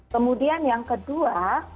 kemudian yang kedua